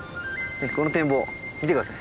この展望見て下さい。